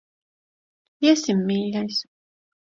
Iesim, mīļais.